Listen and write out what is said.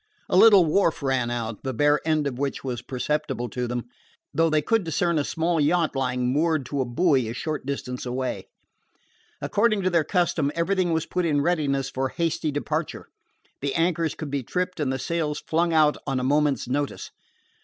A little wharf ran out, the bare end of which was perceptible to them, though they could discern a small yacht lying moored to a buoy a short distance away. According to their custom, everything was put in readiness for hasty departure. The anchors could be tripped and the sails flung out on a moment's notice.